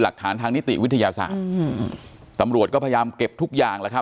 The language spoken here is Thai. หลักฐานทางนิติวิทยาศาสตร์อืมตำรวจก็พยายามเก็บทุกอย่างแล้วครับ